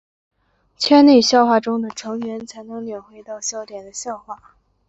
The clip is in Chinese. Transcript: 圈内笑话中的成员才能领会到笑点的笑话。